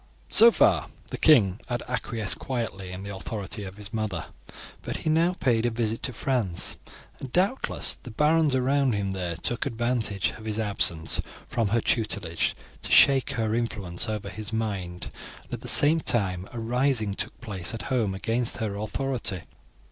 "So far the king had acquiesced quietly in the authority of his mother, but he now paid a visit to France, and doubtless the barons around him there took advantage of his absence from her tutelage to shake her influence over his mind; and at the same time a rising took place at home against her authority.